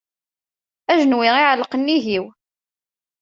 Ajenwi iεelleq nnig-iw.